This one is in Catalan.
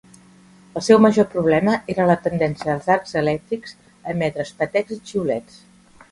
El seu major problema era la tendència dels arcs elèctrics a emetre espetecs i xiulets.